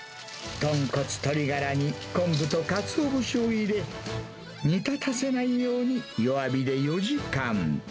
豚骨、鶏ガラに昆布とかつお節を入れ、煮立たせないように、弱火で４時間。